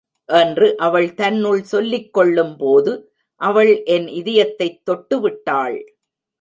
என்று அவள் தன்னுள் சொல்லிக்கொள்ளும்போது, அவள் என் இதயத்தைத் தொட்டுவிட்டாள்.